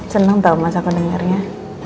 seneng tau masa aku dengarnya